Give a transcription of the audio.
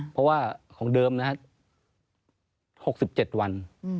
เพราะว่าของเดิมนะครับ๖๗วัน